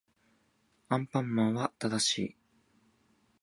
アンパンマンは正しい